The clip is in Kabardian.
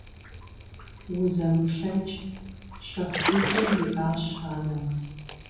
Узэмыплъэкӏ… – щэху дыдэу жиӀащ анэм.